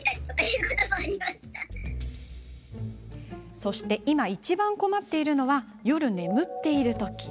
そして今、一番困っているのは夜眠っているとき。